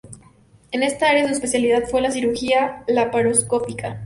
En esta área su especialidad siempre fue la cirugía laparoscópica.